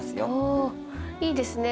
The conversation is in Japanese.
おいいですね。